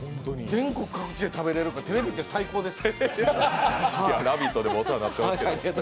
全国各地で食べれる、テレビって最高です。